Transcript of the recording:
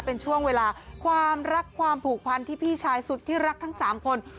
เป็นช่วงเวลาความรักความผูกพันที่พี่ชายสุดที่รักทั้ง๓คน